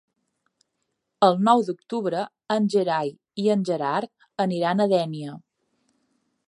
El nou d'octubre en Gerai i en Gerard aniran a Dénia.